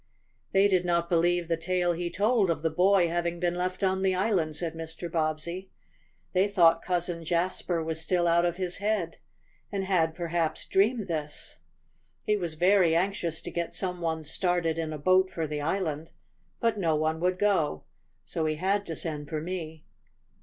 "They did not believe the tale he told of the boy having been left on the island," said Mr. Bobbsey. "They thought Cousin Jasper was still out of his head, and had, perhaps, dreamed this. He was very anxious to get some one started in a boat for the island, but no one would go. So he had to send for me."